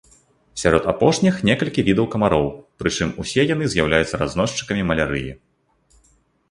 Сярод апошніх некалькі відаў камароў, прычым усе яны з'яўляюцца разносчыкамі малярыі.